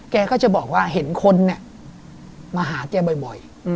แกก็จะบอกว่าเห็นคนเนี่ยมาหาแกบ่อย